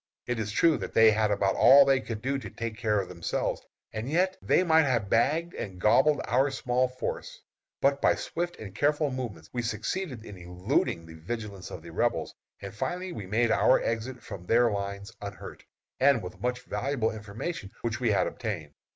It is true that they had about all they could do to take care of themselves, and yet they might have bagged and gobbled our small force. But by swift and careful movements we succeeded in eluding the vigilance of the Rebels, and finally we made our exit from their lines unhurt, and with much valuable information which we had obtained.